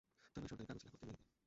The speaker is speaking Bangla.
চলো এই সরকারি কাগজ লেখককে মেরে দেই।